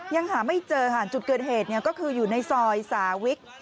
ยังหาไม่เจอค่ะจุดเกิดเหตุก็คืออยู่ในซอยสาวิก